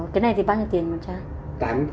cái này thì bao nhiêu tiền một trang